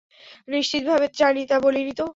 নিশ্চিতভাবে জানি, তা বলিনি তো।